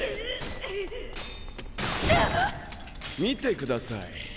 見てください。